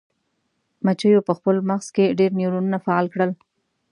مچیو په خپل مغز کې ډیر نیورونونه فعال کړل.